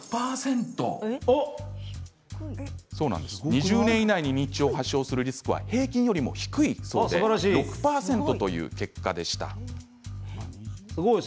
２０年以内に認知症を発症するリスクは平均よりも低いそうで６％という結果でした。